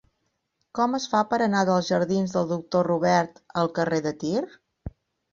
Com es fa per anar dels jardins del Doctor Robert al carrer de Tir?